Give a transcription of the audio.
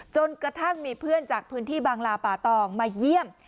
จนกระทั่งมีเพื่อนจากพื้นที่บางลาป่าตองมาเยี่ยม